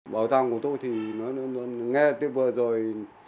bảo tàng của tôi thì nghe tới vừa rồi